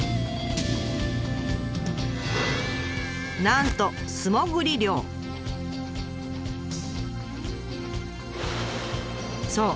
なんとそう！